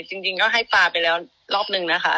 จริงก็ให้ปลาไปแล้วรอบนึงนะคะ